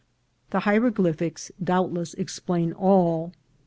The hieroglyphics doubtless explain all.